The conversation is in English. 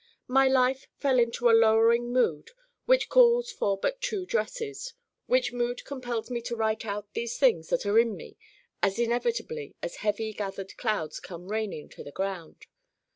My life fell into a lowering mood which calls for but two dresses: which mood compels me to write out these things that are in me as inevitably as heavy gathered clouds come raining to the ground.